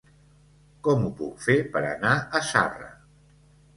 Com ho puc fer per anar a Zarra?